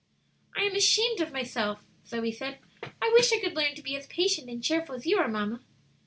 "I am ashamed of myself," Zoe said. "I wish I could learn to be as patient and cheerful as you are, mamma."